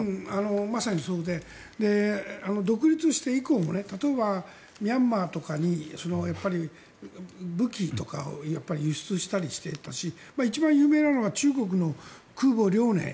まさにそうで独立して以降も例えば、ミャンマーとかに武器とかを輸出したりしてたし一番有名なのが中国の空母「遼寧」。